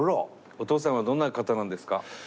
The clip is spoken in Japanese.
お父さんはどんな方なんですか？